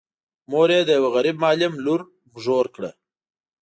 مور یې د یوه غريب معلم لور نږور کړه.